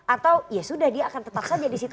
atau ya sudah dia akan tetap saja disitu